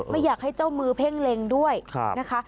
ไม่อยากให้เจ้ามือเพ่งเล็งด้วยนะคะ